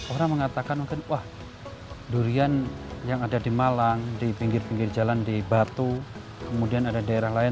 orang mengatakan mungkin wah durian yang ada di malang di pinggir pinggir jalan di batu kemudian ada daerah lain